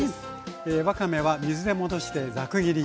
わかめは水で戻してザク切りに。